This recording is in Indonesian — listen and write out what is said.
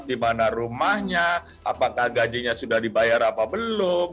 di mana rumahnya apakah gajinya sudah dibayar apa belum